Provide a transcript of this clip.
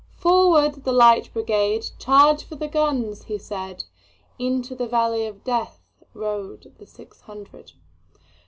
"Forward, the Light Brigade! Charge for the guns!" he said:Into the valley of DeathRode the six hundred.